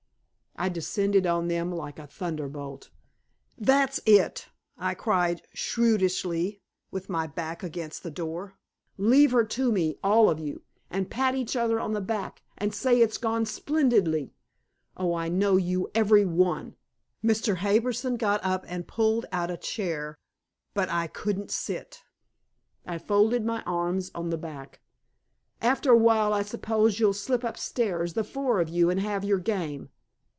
I descended on them like a thunderbolt. "That's it," I cried shrewishly, with my back against the door. "Leave her to me, all of you, and pat each other on the back, and say it's gone splendidly! Oh, I know you, every one!" Mr. Harbison got up and pulled out a chair, but I couldn't sit; I folded my arms on the back. "After a while, I suppose, you'll slip upstairs, the four of you, and have your game."